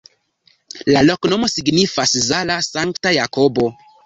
La loknomo signifas: Zala-sankta-Jakobo.